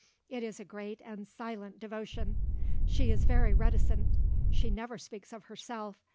It is a great and silent devotion. She is very reticent. She never speaks of herself.